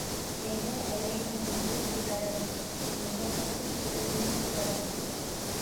Әйҙә әләйһәң, индереп ебәрәм, нужаңды түлке үҙең һөйҙәрең!